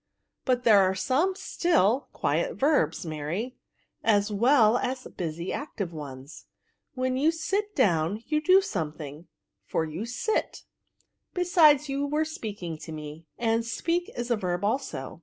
*' But there are some still, quiet verbs, Mary, as well as busy active ones. When you sit down, you do something,' for you sit 5 F 2 5Z ViSItBS. besides, you were speaking to me, and to speak is a verb also."